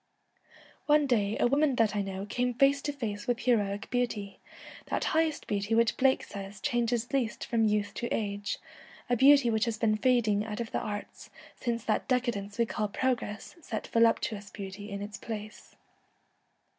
One day a woman that I know came face to face with heroic beauty, that highest beauty which Blake says changes least from youth to age, a beauty which has been fading out of the arts, since that decadence we call progress, set voluptuous beauty in its place.